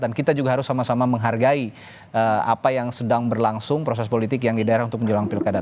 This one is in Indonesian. dan kita juga harus sama sama menghargai apa yang sedang berlangsung proses politik yang di daerah untuk menjelang pilkada